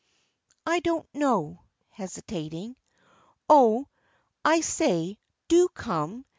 "I don't know," hesitating. "Oh! I say, do come!